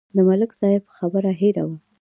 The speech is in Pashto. د ملک صاحب خبره هېره وه.